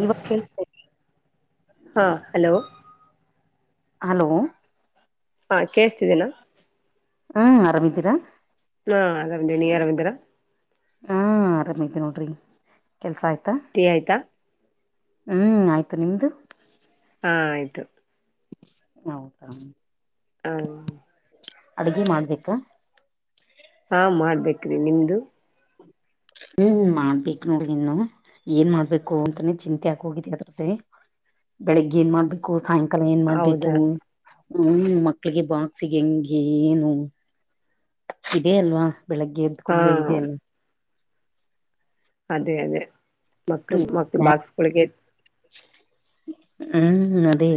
ಇವಾಗ ಕೇಳುಸ್ತ ಐತ್ ಹಾ ಹಲೋ ಹಲೋ ಹಾ ಕೇಳಸ್ತಿದ್ದೀನಾ‌ ಹ್ಮ್ ಆರಾಮಿದ್ದೀರಾ. ಹಾ ಆರಾಮ್ ಇದ್ದೀರಾ ನೀ ಆರಾಮ್ ಇದೀರಾ ಹಾ ಆರಾಮ್ ಇದಿರ್ ನೋಡ್ರಿ ಕೆಲಸ ಆಯ್ತಾ. ಟೀ ಆಯ್ತಾ ಹ್ಮ್ ಆಯ್ತು ನಿಮ್ದು ಹಾ ಆಯ್ತು ಹೌದಾ ಹಾ ಅಡ್ಗೆ ಮಾಡ್ಬೇಕಾ. ಹಾ ಮಾಡ್ಬೇಕ್ರೀ ನಿಮ್ದು ಹ್ಮ್ ಮಾಡ್ಬೇಕ್ ನೋಡ್ ನೀನ್ನ ಏನ್ ಮಾಡ್ಬೇಕು ಅಂತಾನೇ ಚಿಂತೆ ಆಗೋ ಹೋಗಿದೆ ಅದ್ರದ್ದೇ. ಬೆಳಿಗ್ಗೆ ಏನ್ ಮಾಡ್ಬೇಕು ಸಾಯಂಕಾಲ ಏನ್ ಮಾಡ್ಬೇಕು. ಹೌದಾ ಹ್ಮ್ ಮಕ್ಕಳಿಗೆ ಬಾಕ್ಸಗೆ ಹೆಂಗೆ ಏನು ಇದೆ ಅಲ್ವಾ ಬೆಳಗ್ಗೆ ಎದ್ದು ಹಾ ಕೂಡ್ಲೆೇ ಇದೆ ಅಲ್ವಾ ಅದೇ ಅದೇ ಮಕ್ಕ ಮಕ್ಳೂ ಸ್ನಾಕ್ಸ್. ಬಾಕ್ಸ್ಗಳಿಗೆ ಹ್ಮ್ ದೇ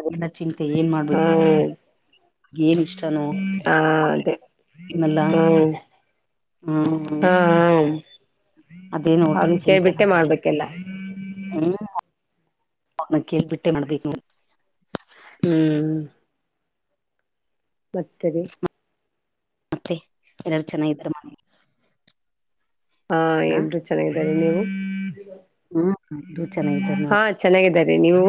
ಅದನ್ನೆ ಚಿಂತೆ ಏನ್ ಮಾಡ್ಬೇಕು. ಹ್ಮ್ ಏನ್ ಇಷ್ಟನೋ ಹ ನಮ್ ಅದೇ ಮಕ್ಕಳಿಗೆ ತಿನಲ್ಲ. ಹ್ಮ್ ಹಾ ಹ್ಮ ಅದೇ ನೋಡ್ರಿ ಅವ್ನ್ ಚಿಂತೆ ಕೇಳ್ಬಿಟ್ಟೆ ನಮಗೆ. ಮಾಡ್ಬೇಕೆಲ್ಲ ಹ್ಮ್ ಅವನ್ನ ಕೇಳಬಿಟ್ಟೇ ಮಾಡಬೇಕ್ ನೋಡ್ರೀ ಹ್ಮ್ ವ್ಯಕ್ತಿಗಳು ಮತ್ತೆ ಎಲ್ಲಾರು ಚೆನ್ನಾಗಿದ್ದಾರೆ ಮನೆ ಹಾ ಮಕ್ಕಳ ಎಲ್ರು ಚೆನ್ನಾಗಿದ್ದಾರೆ ನೀವು ಹ್ಮ ಎಲ್ಲಾರೂ ಚೆನ್ನಾಗಿ ಇದರೇ ಹಾ ನೋಡ್ರಿ. ಚೆನ್ನಾಗಿದ್ದಾರೆ ನೀವು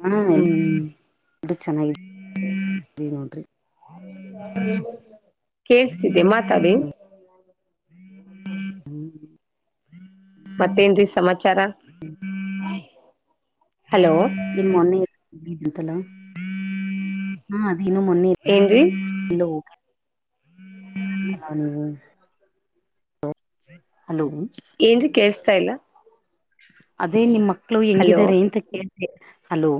ಹಾ ಹ್ಮ್ ಎಲ್ಲಾರೂ ಚೆನ್ನಾಗಿದ್ದಾರೆ ನೋಡ್ರೀ. ಕೇಳಸ್ತಿದ್ದೆ ಮಾತಾಡಿ. ಹ್ಮ್ ಮತ್ತೇನ್ ರೀ ಸಮಾಚಾರ ಹಲೋ ಇನ್ ಮೊನ್ನೆಂತಲ್ಲ ಬಂದಿದ್ದಾಂತ ಅಲ್ಲ ಅದನ್ನು ಮೊನ್ನೆ ಎನ್ರೀ ಲ [unintelligible] ಅವನು ಹಲೋ ಏನ್ರೀ ಕೇಳ್ಸ್ತಾ ಇಲ್ಲ. ಅದೇ ನಿಮ್ಮ್ ಮಕ್ಳು ಹಲೋ ಹೆಂಗಿದ್ದಾರೆ ಅಂತ ಕೇಳ್ತದ ಹಲೋ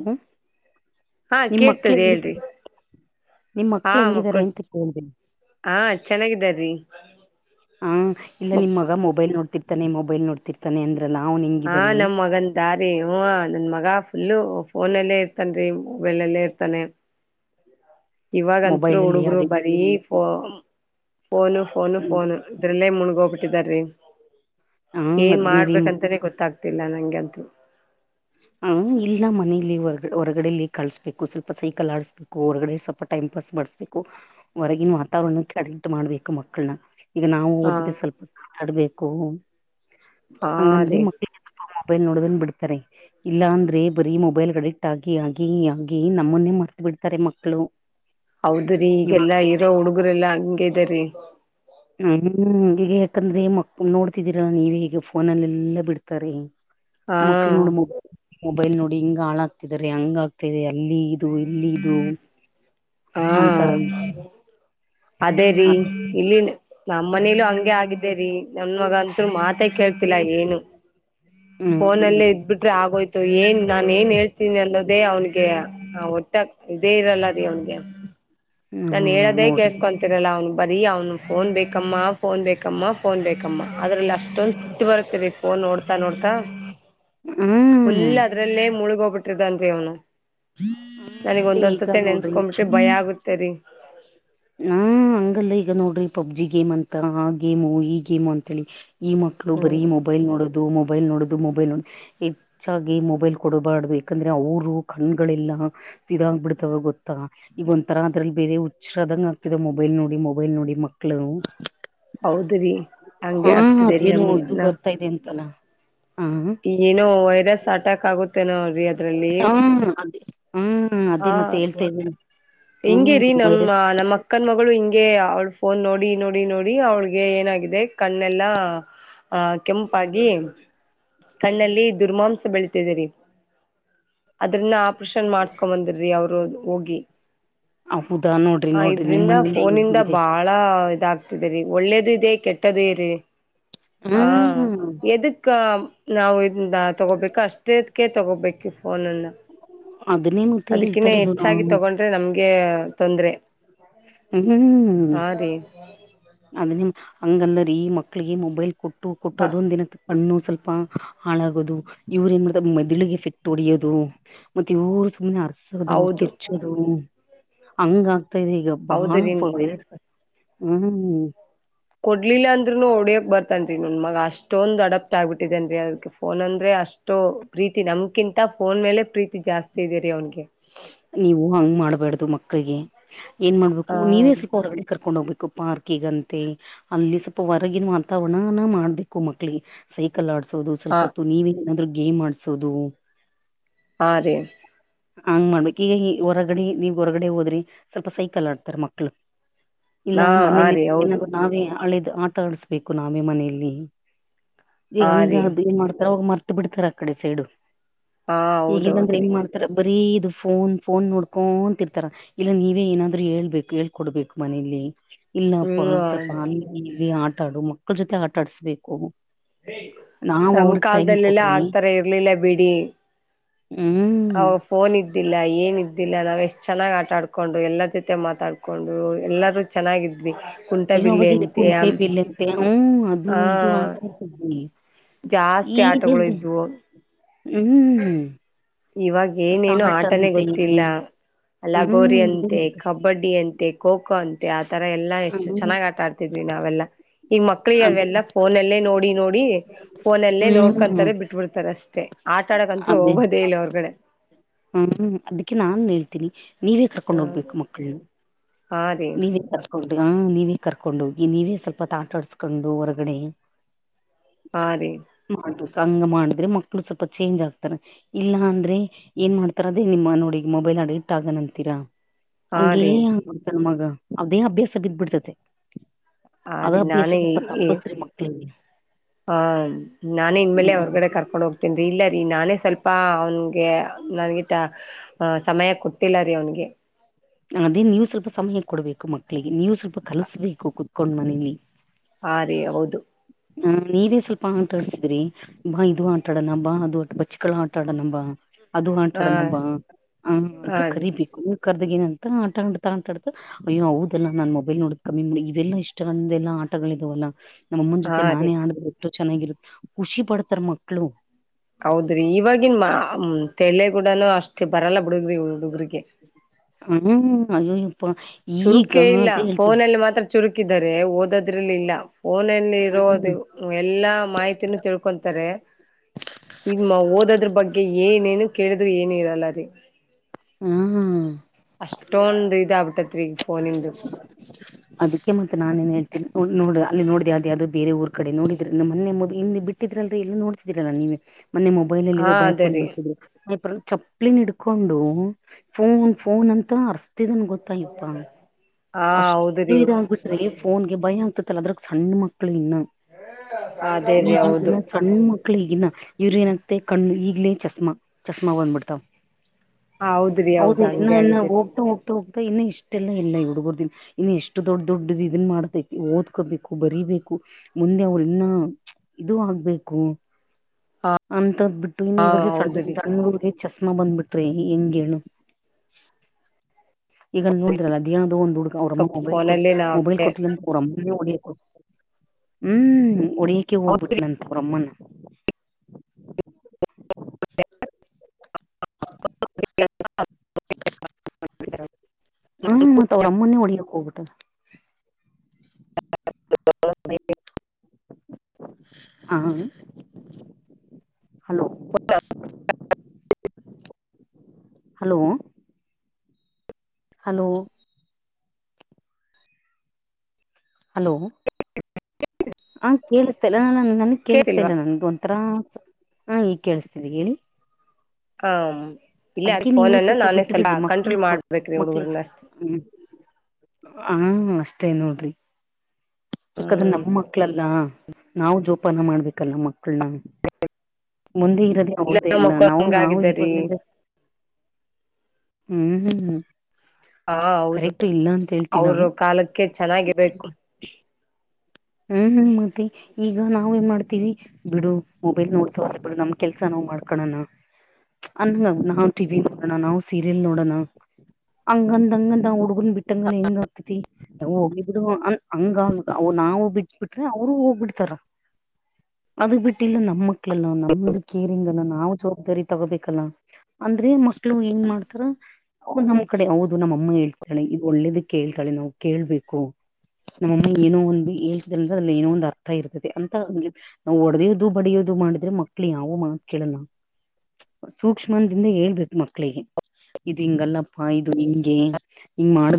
ಹಾ ನಿಮ ಮಕ್ಳ ಕೇಳ್ತದೆ ಹೇಳ್ರಿ ನಿಮ್ ಹಾ ಮಕ್ಳ್ ಹೆಂಗಿದಿದ್ದಾರೆ ಮಕ್ಕಳು ಅಂತ ಕೇಳ್ದೆ ಹಾ ಚೆನ್ನಾಗಿದಾರ್ರೀ ಹಾ ಇಲ್ಲ ಮಕ್ ನಿಮ್ಮ ಮಗ ಮೊಬೈಲ್ ನೋಡ್ತಿರ್ತಾನೆ ಮೊಬೈಲ್ ನೋಡ್ತಿರ್ತಾನೆ ಅಂದ್ರಲ್ಲಾ. ಹಾ ನಮ್ ಮಗನ್ ಯಾರಿ ಹುನ್ ನನ್ ಮಗ ಫುಲ್ಲು ಫೋನಲ್ಲೇ ಇರ್ತಾನ ರಿ ಮೊಬೈಲ್ ಅಲ್ಲೇ ಇರ್ತಾನೆ. ಇವಾಗಂತ್ರು ಮೊಬೈಲಲ್ಲಿ ಹುಡುಗ್ರು ಅಡಿ ಬರೀ ಫೋ ಫೋನು ಫೋನು ಫೋನು ಇದ್ರಲ್ಲೇ ಮುಣಗೋಗ್ಬಿಟ್ಟಿದಾರಿ ಹಾ ಏನ್ ಅದ್ನೇ ರೀ ಮಕ್ಳು ಮಾಡ್ಬೇಕಂತಾನೇ ಗೊತ್ತಾಗ್ತಿಲ್ಲ ನನ್ಗಂತೂ. ಹ ಇಲ್ಲ ಮನಲಿ ಹೊ ಹೊರಗಡೆ ಲ ಕಳಸ್ಬೇಕು ಸ್ವಲ್ಪ ಸೈಕಲ್ ಆಡಸ್ ಬೇಕ್ ಹೊರಗಡೆ ಸ್ವಲ್ಪ ಟೈಮ್ ಪಾಸ್ ಮಾಡ್ಸಬೇಕು. ಹೊರಗಿನ ವಾತಾವರಣ ಕೆಡೆಗಟ್ಟು ಮಾಡ್ಬೇಕು ಮಕ್ಕಳನ ಈಗ ನಾವು ಅವ್ರ ಹಾ ಜೊತೆ ಸ್ವಲ್ಪ ಆಡ್ಬೇಕು ಹಾ ಹಂಗಂದ್ರೆ ರೀ ಮಕ್ಳ ಮೊಬೈಲ್ ನೋಡದನ್ನ ಬಿಡ್ತಾರೆ ಇಲ್ಲ ಅಂದ್ರೆ ಬರೀ ಮೊಬೈಲ್ ಅಡಿಕ್ಟ್ ಆಗಿ ಆಗಿ ಹಂಗೆ ನಮ್ಮನ್ನೇ ಮರ್ತ ಬಿಡ್ತಾರೆ ಮಕ್ಕಳು. ಹೌದ್ರೀ ಇವಾಗ ಈಗೆಲ್ಲಾ ಬೇರೆ. ಇರೋ ಹುಡುಗರೆ ಎಲ್ಲಾ ಹಂಗೆ ಇದ್ದಾರಿ. ಹ್ಮ್ಮ್ ಯಾಕಂದ್ರೆ ಮಕ್ಕಳ್ ನೋಡ್ತಿದ್ದೀರಾ ನೀವೆ ಈಗೆಲ್ ಫೋನ್ನಲ್ಲಾ ಬಿಡ್ತಾರೆ ಹಾ ಮಕ್ಳ ನೋಡ ಮೊಬೈಲ್ ನೋಡಿ ಹಿಂಗ್ ಹಾಳಾಗ್ತಿದಿದ್ದಾರೆ ಹಂಗ ಆಗ್ತಿದೆ ಅಲ್ಲಿ ಇದು ಇಲ್ಲಿ ಇದು ಅಂತಾರೆ. ಹಾ ಅದೇ ರೀ ಇಲ್ಲಿನೂ ನಮ್ಮ ಮನೇಲೂ ಹಂಗೆ ಆಗಿದ್ದೆ ರಿ ನನ್ ಮಗ ಅಂತೂ ಮಾತ ಕೇಳ್ತಿಲ್ಲಾ ಏನು ಹ್ಮ್ ಫೋನಲ್ಲೇ ಇದ್ಬಿಟ್ರೆ ಆಗೋಯ್ತು ಏನ್ ನಾನನ್ ಏನ್ ಹೇಳ್ತೀನಿ ಅನ್ನೋದೇ ಅವನಿಗೆ ಹಾ ಒಟ್ಟಾಗ ಇದೇ ಇರಲ್ಲ ರೀ ಅವನ್ಗೆ ನನ್ ಹ್ಮ್ ಹೇಳದೇ ನೋಡ್ರಿ ಕೊಂತರಲ್ಲ ಅವ್ನು ಬರೀ ಅವ್ನು ಫೋನ್ ಬೇಕಮ್ಮ ಫೋನ್ ಬೇಕಮ್ಮ ಫೋನ್ ಬೇಕಮ್ಮ ಅದ್ರಲ್ಲಿ ಅಷ್ಟೊಂದ ಸಿಟ್ಟ್ ಬರ್ ರಿ ಫೋನ್ ನೋಡ್ತಾ ನೋಡ್ತಾ. ಹ್ಮ್ ಫುಲ್ ಅದ್ರಲ್ಲೇ ಮುಳಗ್ ಹೋಗ್ಬಿಟ್ಟ್ರಿದಾನ್ರಿ ಅವನು ನನಗ್ ಅದೇ ಈಗ ಒಂದೊಂದ್ಸತಿ ನೋಡ್ರಿ ನೆನಸ್ಕೊಕೊಂಡು ಬಿಟ್ರೆ ಭಯ ಆಗುತೇರಿ ರಿ. ಹಾ ಹಂಗಲ್ಲ ಈಗ ನೋಡ್ರಿ ಪಬ್ಜಿ ಗೇಮ್ ಅಂತ ಆ ಗೇಮು ಈ ಗೇಮು ಅಂತೇಳಿ ಈ ಮಕ್ಳ ಳು ಹ್ಮ್ ಬರಿ ಮೊಬೈಲ್ ನೋಡೋದು ಮೊಬೈಲ್ ನೋಡೋದು ಮೊಬೈಲ್ ನೋಡೋದು ಹೆಚ್ಚಾಗಿ ಮೊಬೈಲ್ ಕೊಡಬಾರ್ದು ಯಾಕಂದ್ರೆ ಅವರು ಕಣ್ಗಳೆಲ್ಲ ಸಿದೋಗ್ ಬಿಡ್ತವ ಗೊತ್ತಾ ಈಗ ಒಂಥರ ಅದ್ರಲ್ಲಿ ಬೇರೆ ಶ್ರದ್ಧಾಂಗ ಆಗ್ತಿದ ಮೊಬೈಲ್ ನೋಡಿ ಮೊಬೈಲ್ ನೋಡಿ ಮಕ್ಕಳು. ಹೌದ್ರಿ ಹಂಗೆ ಹಾ ಆಗ್ತಿದೆ ರೀ ಅದೇನೊ ನಮ್ಗ ಇದು ನಾ ಬರ್ತಾ ಇದೆ ಅಂತಲ್ಲ. ಹ ಏನೋ ವೈರಸ್ ಅಟ್ಯಾಕ್ ಆಗುತ್ತೆನೊ ರಿ ಅದು. ಹ್ಮ ಅದೇ ಹ್ಮ್ ಅದೇ ಮತ್ತೆ ಹೇಳ್ತಾ ಇದ್ದೀನಿ. ಹ್ಮ್ ಹೆಂಗೆ ರಿ ನಮ್ಮ ವೈರಸ್ ನಮ್ಮ ಅಕ್ಕನ್ ಮಗಳು ಹಿಂಗೆ ಅವಳ ಫೋನ್ ನೋಡಿ ನೋಡಿ ನೋಡಿ ಅವಳಿಗೆ ಏನಾಗಿದೆ ಕಣ್ಣೆಲ್ಲಾ ಆ ಕೆಂಪಾಗಿ ಕಣ್ಣಲ್ಲಿ ದುರ್ಮಾಂಸ ಬೆಳದಿದೆ ರಿ. ಅದ್ರನ್ನ ಆಪ್ರೇಷನ್ ಮಾಡಸ್ಕೊ ಬಂದಿರ್ರಿ ಅವರು ಹೋಗಿ. ಹೌದಾ ನೋಡ ಹ ಇದ್ರಿಂದ ಫೋನ ಇಂದ ಬಾಳ ಇದ್ದಾಗ ತಿದೇರಿ ಒಳ್ಳೇದು ಇದೆ ಕೆಟ್ಟದು ಇದೇ ಹಾ ಹ್ಮ್ ಎದ್ದಕ್ ನಾವು ಇದ ತಗೋಬೇಕು ಅಷ್ಟೇದ್ಕ ತಗೋಬೇಕು ಫೋನನ್ನ ಅದನ್ನೇ ಮತ್ತೆ ಹೇಳ್ತಾ ಇರೋದು ನಾವು ಆದ್ರೆ ನಮ್ಗೆ ತೊಂದ್ರೆ. ಹ್ಮ್ ಹಾ ರೀ ಅದ ನಿ ಹಂಗಲ್ಲರಿ ಈ ಮಕ್ಕಳಿಗೆ ಮೊಬೈಲ್ ಕೊಟ್ಟ ಹ [unintelligible] ಹಾಳಾಗೋದು ಇವ್ರ ಏನ್ ಮಾಡ್ತ ಮೆದುಳಿಗೆ ಎಫೆಕ್ಟ್ ಹೊಡಿಯೋದು [unintelligible] ಮತ್ತ ಇವರು ಸುಮ್ಮನೆ [unintelligible] ದು ಹೌದು ಕಿರ್ಚ್ಚೋದು ಹಂಗ ಆಗ್ತಾ ಇದೆ ಈಗ ಬಾಳ ಹೌದು ರೀ ವೈ ಹುಂ ಕೊಡ್ಲಿಲ್ಲ ಅಂದ್ರುನು ಹೊಡ್ಯಕ್ ಬರ್ತನ್ ನನ್ ಮಗ ಅಷ್ಟೊಂದು ಅಡಪಟ್ ಆಗ್ಬಿಟ್ಟಿದಾನ್ ರಿ ಅದಕೇ ಫೋನ್ ಅಂದ್ರೆ ಅಷ್ಟು ಪ್ರೀತಿ ನಮ್ಕಿಂತ ಫೋನ್ ಮೇಲೆ ಪ್ರೀತಿ ಜಾಸ್ತಿ ಇದೇರಿ ಅವನ್ಗೆ ನೀವು ಹಂಗ್ ಮಾಡ್ಬೇಡ್ದು ಮಕ್ಕಳಿಗೆ ಏನ್ ಮಾಡ್ಬೇಕು ಹಾ ನೀವೇ ಸ್ವಲ್ಪ ಹೊರಗಡೆ ಕರ್ಕೊಂಡ್ ಹೋಗ್ಬೇಕು ಪಾರ್ಕಿಗಂತೆ ಅಲ್ಲಿ ಸ್ವಲ್ಪ ಹೊರಗಿನ ವಾತಾವರಣಾನ ಮಾಡ್ಬೇಕು ಮಕ್ಕಳಿಗೆ ಸೈಕಲ್ ಆಡ್ಸೋದು ಹಾ ಸ್ವಲ್ಪ ಹೊತ್ತು ನೀವೇ ಏನಾದ್ರು ಗೇಮ್ ಆಡ್ಸೋದು ಹಾ ರೀ ಹಂಗ್ ಮಾಡ್ಬೇಕ ಈಗ ಈ ಹೊರಗಡೆ ನೀವ್ ಹೊರಗಡೆ ಹೋದ್ರೆ ಸ್ವಲ್ಪ ಸೈಕಲ್ ಆಡ್ತಾರೆ ಮಕ್ಕಳ ಇಲ್ಲಾ ಹಾ ಹಾ ಮನೇೆಯಲ್ಲಿ ರೀ ಹೌದು ಏನಾದ ನಾವೇ ಹಳೇಧ್ ಆಟ ಆಡಸಬೇಕ ನಾವೇ ಮನೆಯಲ್ಲಿ ಈಗ ಹಾ ಹಂಗ ರೀ ಅ ದೀನ್ ಮಾಡ್ತಾರ ಅವಾಗ ಮರ್ತ ಬಿಡ್ತಾರ ಆಕಡೆ ಸೈಡು ಹಾ ಈಗಲ್ಲಾಂದ್ರೆ ಹೌದೌದ್ರಿ ಹೆಂಗ ಮಾಡ್ತ ರ ಬರೀ ಇದು [unintelligible] ಫೋನ್ ಫೋನ್ ನೋಡ್ಕೊಂತಿರ್ತಾರ ಇಲ್ಲ ನೀವೇ ಏನಾದ್ರು ಹೇಳ್ಬೇಕು ಹೇಳ್ಕೊಡ್ಬೇಕು ಮನೇಲಿ ಇಲ್ಲಪ್ಪಾ ಸ್ವಲ್ಪ ಹ್ಮ್ ಅಲ್ಲಿ ಇಲ್ಲಿ ಆಟಾಡು ಮಕ್ಕಳ ಜೊತೆ ಆಟಾಡ್ಸ್ಬೇಕು ನಮ್ಮ ಕಾಲದಲ್ಲೆಲ್ಲ ಕೊಟ್ರಿ ಆತರ ಇರ್ಲಿಲ್ಲ ಬಿಡಿ ಹುಂ ಅವಾಗ ಫೋನ್ ಇದ್ದಿಲ್ಲಾ ಏನಿದ್ದಿಲ್ಲಾ ನಾವು ಎಷ್ಟು ಚೆನ್ನಾಗ್ ಆಟ ಆಡ್ ಕೊಂಡು ಎಲ್ಲರ ಜೊತೆ ಮಾತಾಡ್ ಕೊಂಡು ಎಲ್ಲಾರು ಚೆನ್ನಾಗಿದ್ವಿ ಅಯ್ಯೋ ಕುಂಟಬಿಲ್ಲೆ ಅವಾಗ ಅಂತೆ ಕುಂಟೆ ಬಿಲ್ಲಂತೆ ಹೂ ಅದು ಆ ಇದು ಆಟ ಜಾಸ್ತಿ ಆಟಗಳು ಇದ್ವು [unintelligible] ಇವಾಗ ಏನೇನು ಸಾಲ್ಟ್ ಆಟನೇ ಅಂತೆ ಗೊತ್ತಿಲ್ಲಾ ಲಗೋರಿ ಹ್ಮ್ ಅಂತೆ, ಕಬಡ್ಡಿ ಅಂತೆ, ಖೋ ಖೋ ಅಂತೆ, ಆ ತರಾ ಎಲ್ಲಾ ಎಷ್ಟು ಚೆನ್ನಾಗ್ ಆಟ ಆಡ್ತ ತಿದ್ವಿ ನಾವೆಲ್ಲಾ ಈಗ ಮಕ್ಕಳಿಗೆ ಅದೇ ಅವೆಲ್ಲಾ ಮತ್ತೆ, ಫೋನಲ್ಲೇ ನೋಡಿ ನೋಡಿ ಫೋನಲ್ಲೇ ಹ್ಮ್ ಅದೇ ಹ್ಮ್ ನೋಡ್ಕೊಂತಾರೆ ಬಿಟ್ಬಿಡ್ತಾರ ಅಷ್ಟೇ ಆಟ ಕಂತೂ ಅದೇ ಹೋಗೋದೇ ಇಲ್ಲ ಹೋರಗಡೆ ಹ್ಮ್ ಅದಕ್ಕೆ ನಾನ್ ಹೇಳ್ತೀನಿ ನೀವೇ ಹ ಕರ್ಕೊಂಡ್ ಹೋಗ್ಬೇಕು ಮಕ್ಕಳ್ನ ಹಾ ರೀ ನೀವೇ ಕರ್ಕೊಂಡು ಹೋಗಿ ನೀವೇ ಕರ್ಕೊಂಡು ಹೋಗಿ ನೀವೇ ಸ್ವಲ್ಪಹೊತ ಆಟಾಡ್ಸ್ಕೊಂಡು ಹೊರಗಡೆ ಆ ರೀ ಮಾಡ ಸಂಗ ಮಾಡಿದ್ರೆ ಮಕ್ಕಳು ಸ್ವಲ್ಪ ಚೇಂಜ್ ಆಗ್ತಾರೆ ಇಲ್ಲ ಅಂದ್ರೆ ಏನ್ ಮಾಡ್ತಾರ ಅದೇ ನಿಮ್ಮ ನೋಡಿ ಮೊಬೈಲ್ ಅಡಿಕ್ಟ್ ಆಗನ್ ಅಂತೀರಾ ಹಾ ಹಂಗೆ ರೀ ಆಗ್ಬಿಡ್ತಾನ್ ಮಗ ಅವ್ವೆ ಅಭ್ಯಾಸ ಬಿದ್ದ ಬಿಡ್ತತೆ ಆ ಅದ ರೀ ಬೇಸ ನಾನೇ [unintelligible] ತಪ್ಪಿಸ್ರಿ ಮಕ್ಕಳಿಗೆ ಹಾ ನಾನೆ ಇನ್ಮೇಲೆ ಹೊರಗಡೆ ಕರ್ಕೊಂಡು ಹೋಗ ರಿ ಇಲ್ಲಾ ರೀ ನಾನೇ ಸ್ವಲ್ಪ ಅವನ್ಗೆ ನನ್ಗ [unintelligible] ಆ ಸಮಯ ಕೊಟ್ಟಿಲ್ಲ ರೀ ಅವ್ನಿಗೆ ಅದೇ ನೀವು ಸ್ವಲ್ಪ ಸಮಯ ಕೊಡ್ಬೇಕು ಮಕ್ಕಳಿಗೆ ನೀವು ಸ್ವಲ್ಪ ಕಲ್ಸಬೇಕು ಕುತ್ಕೊಂಡ್ ಮನೇಲಿ ಹಾ ರೀ ಹೌದು ಹ ನೀವೇ ಸ್ವಲ್ಪ ಹಂಗ ತೋರ್ಸಿದ್ರಿ ಇದು ಆಟಾಡಣ ಬಾ ಅದು ಬಚ್ಚಕೊಳ ಆಟಾಡನ ಬಾ ಅದು ಹಾ ಆಂಟಾಡನ ಬಾ ಹ ಅಂತ ಹಾ ರೀ ಕರಿಬೇಕು ಕರ್ದಗ ನ ಅಂತ ಆಟಾಡ್ತಾ ಆಟಾಡ್ತಾ ಅಯ್ಯೋ ಹೌದಲ್ಲಾ ನಾನ್ ಮೊಬೈಲ್ ನೋಡ ಕಮ್ಮಿ ಇವೆಲ್ಲ ಇಷ್ಟವಂದ ಎಲ್ಲಾ ಆಟಗಳಿದಾವಲ್ಲ ನಮ್ಮಮ್ಮನ ಜೊತೆ ಹಾ ರೀ ನಾನೇ ಆಡಿದ್ರೆ ಎಷ್ಟೋ ಚನ್ನಾಗಿರುತ್ತೆ ಖುಷಿ ಪಡ್ತಾರ್ ಮಕ್ಳು ಹೌದ್ರಿ ಇವಾಗಿನ್ ತೆಲೆಗೂಡನ ಅಷ್ಟೇ ಬರಲ್ಲ ಬಿುಡುಗ್ರಿ ಹುಗ್ರಿಗೆ ಹ್ಮ್ ಅಯ್ಯಯ್ಯಪ್ಪ ಚುರುಕೇ ಇಲ್ಲ ಫೋನ ಅಲ್ಲಿ ಮಾತ್ರ ಚುರುಕಿದ್ದಾರೆ ಓದೋದ್ರಲ್ಲಿ ಇಲ್ಲ ಫೋನಲ್ಲಿ ಇರೋದು ಹ್ಮ್ ಎಲ್ಲಾ ಮಾಹಿತಿನೂ ತಿಳ್ಕೊಂತಾರೆ ಮೊ ಓದೋದ್ರ ಬಗ್ಗೆ ಏನೇನು ಕೇಳಿದ್ರು ಏನ ಇರಲ್ಲ ರೀ [inaudible] [inaudible] ಅಷ್ಟೊಂದು ಇದ ಆಗಾ ಬಿಟ್ಟತ್ರಿ ಈ ಫೋನಿಂದು ಅದಕ್ಕೆ ಮತ್ ನಾನೇನ್ ಹೇಳ್ತೇ ನೋಡ ಅಲ್ಲಿ ನೋಡ್ರ ಯಾವ್ದ ಯಾವ್ದ ಬೇರೆ ಊರ ಕಡೆ ನೋಡ್ರ ನಮ್ಮ ಮಮದ ಹಿಂದ ಬಿಟ್ಟ ಇದ್ರಲ್ರಿ ಇಲ್ಲ ನೋಡ್ತಿದೀರಲ್ಲ ನೀವೇ ಮೊನ್ನೆ ಮೊಬೈಲ್ ಅಲ್ಲಿ ಹಾ ಒಬ್ಬ ಎಪ್ ಅದೇ ಬಂದ ರೀ ಬಿಟ್ಟುದು ಒಬ್ಬರು ಚಪ್ಪಲಿನ್ ಹಿಡ್ಕೊಂಡು ಫೋನ್ ಫೋನ್ ಅಂತ ಅರ್ಸ್ತಿದನ್ ಗೊತ್ತಾಹಿಪ್ಪಾ ಹಾ ಅಷ್ಟು ಹೌದ್ರಿ ಇದ ಆಗ್ಬಿಟ್ರೆ ಫೋನ್ಗೆ ಭಯ ಆಗ್ತತ್ತಲ್ಲ ಅದ್ರ ಸಣ್ಣ ಮಕ್ಳು ಇನ್ನ ಅದೇ [inaudible] ರೀ ಈಗ ಹೌದು ದಿನ ಸಣ್ಣ ಮಕ್ಳು ಈಗ ಇನ್ನ ಯುರಿಯನ್ ಅಂತೇ ಕಣ್ಣು ಈಗ್ಲೇ ಚಸ್ಮಾ ಚಸ್ಮಾ ಬಂದ್ಬಿಡ್ತಾವ ಹೌದ್ರಿ [inaudible] ಹೌದ ಹೌದು ಇನ್ನು ಹಂಗೆ ಇನ್ನು ಆಗಿದ್ದೇರಿ ಹೋಗ್ತಾ ಹೋಗ್ತಾ ಹೋಗ್ತಾ ಇನ್ನು ಇಷ್ಟೆಲ್ಲಾ ಇಲ್ಲ ಹುಡಗುರ ಇನ್ನು ಎಷ್ಟು ದೊಡ್ಡ ದೊಡ್ಡ ಇದನ್ ಮಾಡ್ತತಿ ಓದ್ಕೋಬೇಕು ಬರಿಬೇಕು ಮುಂದೆ ಅವ ಇನ್ನ ಇದು ಆಗ್ಬೇಕು ಹಾ ಅಂತಂದ್ ಬಿಟ್ಟು ಇನ್ನು ಹಾ ಇವಾಗ ಹೌದ್ರಿ ಸಣ್ಣಣೂರಿಗೆ ಚಸ್ಮಾ ಬಂದ್ಬಿಟ್ರಿ ಹೆಂಗೇನು [inaudible] ಈಗ ನೋಡಿದ್ರಲ್ಲ ಅ ದೇನ ಅದ ಒಂದ್ ಹುಡುಗ ಅವ್ರಮ್ಮ ಸ್ವಲ್ಪ ಮೊಬೈಲ್ ಫೋನಲ್ಲಿ ನಾವ್ ಮೊಬೈಲ್ ಕೊಟ್ಟಲಂತ ಅಮ್ಮನ್ನ ಹೊಡಿಯೋಕೆ ಹ್ಮ್ ಹೊಡಿಯಕೆ ಹೌದ್ರಿ ಹೋಗ್ಬಿಟ್ನಂತೆ ಅವರ ಅಮ್ಮನ [unintelligible] ಹ್ಮ್ ಮತ್ ಅವ್ರ ಅಮ್ಮನೆೇ ಹೊಡಿಯಕ್ ಹೋಗ್ಬಿಟ್ಟವ್ನೇ [unintelligible] ಹಾ [inaudible] ಹಲೋ [unintelligible] ಹಲೋ ಹಲೋ ಹಲೋ [inaudible] ಹ ಕೇಳಿಸತಲ್ಲ ನ ಕೇಳಿಸ್ತಾ ಇಲ್ಲ ಕೇಳ್ತಿಲ್ವಾ ನನ್ಗ ಒಂಥರಾ [inaudible] ಹ ಈಗ ಕೇಳಿಸಸ್ತಿದೆ ಹೇಳಿ ಹ ಇಲ್ಲ ಅದ ಅದಕ್ಕೆ ನೀವು ಫೋನನ್ನ ನಾನೇ ಬಿಟ್ಟು ಸ್ವಲ್ಪ ಬಿಡ್ರಿ ಕಂಟ್ರೋಲ್ ಮಕ್ಳ ಮಾಡ್ಬೇಕ ರೀ ಹುಡುಗರನ ಹ ಅಷ್ಟೇ ನೋಡ್ರಿ ಯಾಕಾದ್ರೆ ಹ್ಮ್ ನಮ್ ಮಕ್ಳಲ್ಲಾ ನಾವು ಜೋಪಾನ ಮಾಡ್ಬೇಕಲ್ಲ ಮಕ್ಳನಾ [inaudible] ಮುಂದೆ ಇರದೆ ಇಲ್ಲ ಅವ್ರ್ದೇ ಯಲ್ಲ ಮಕ್ಕಳು ನಾವ್ ನಾವ್ ಹಂಗಾಗಿದ್ದಾರೀ ಇವಾಗಲಿಂದ ಹ್ಮ್ ಹ್ಮ್ ಹ್ಮ್ ಹಾ [inaudible] ಹೌದು ಕರೆಕ್ಟ ಇಲ್ಲ ಅಂತ ಹೇಳ್ತಿಲ್ಲ ಅವ್ರ ಕಾಲಕ್ಕೆ ಚೆನ್ನಾಗಿರ್ಬೇಕು ಹ್ಮ್... ಮತ್ತೆ ಈಗ ನಾವೇನ್ ಮಾಡ್ತೀವಿ ಬಿಡು ಮೊಬೈಲ್ ನೋಡ್ತಾವಲ್ಲ ಬಿಡು ನಮ್ ಕೆಲ್ಸ ನಾವ್ ಮಾಡ್ಕೋಣ ಹಂಗದ ನಾವು ಟಿವಿ ನೋಡೋಣ ಸೀರಿಯಲ್ ನೋಡೋಣ [inaudible] ಹಂಗಡ ಹಂಗದ ಅವ ಹು ಹಂಗ ಬಿಟ್ಟಂಗಲ್ಲ ಹೆಂಗ ಆಗ್ತತಿ ಹಾ ಹೋಗಲಿ ಬಿಡು ಹಂಗ ಹಂಗ ಆ ನಾವು ಬಿಟ್ಟಬಿಟ್ರೆ ಅವರು ಹೋಗ್ಬಿಡ್ತಾರ [inaudible] ಅದ ಬಿಟ್ಟ ಇಲ್ಲ ನಮ್ಮಕ್ ಮಕ್ಕಳನ ನಮ್ದು ಕೀರಿಂಗ ನಾವ್ ಜವಾಬ್ದಾರಿ ತೊ ತಗೋಬೇಕಲ್ಲ [inaudible] ಅಂದ್ರೆ ಮಕ್ಳು ಏನ್ ಮಾಡ್ತಾರ ತಪ್ ಒಹ್ ನಮ್ಮ್ ಕಡೆ ಹೌದು ನಮ್ಮ ಮಮ್ಮಿ ಹೇಳತಾಳೆ ಇದ ಒಳ್ಳಿದಕ್ಕೆ ಹೇಳತಾಳೆ ನಾವು ಕೇಳಬೇಕು. ನಮ್ಮಮ್ಮ ಏನೋ ಒಂದು ಹೇಳತಾ ಇದಾಳ ಅದರಲ್ಲಿ ಏನೋ ಒಂದ ಅರ್ಥ [unintelligible] ಇರ್ತದೆ ಅಂತ ನಾವು ಹೊಡದಿಯೋದು ಬಡಿಯೋದು ಮಾಡಿದ್ರೆ ಮಕ್ಳು ಯಾವ ಮಾತ್ ಕೇಳಲ್ಲ ಸೂಕ್ಷ್ಮದಿಂದ ಹೇಳ್ಬೇಕು ಮಕ್ಕಳಿಗೆ ಇದು ಹಿಂಗಲ್ಲಪ್ಪ ಇದು ಹಿಂಗೆ ಹಿಂಗು ಮಾಡ್